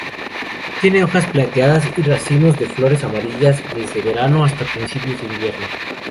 Tiene hojas plateadas y racimos de flores amarillas desde verano hasta principios de invierno.